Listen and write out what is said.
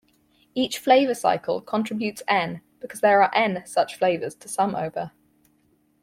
Each flavor cycle contributes N because there are N such flavors to sum over.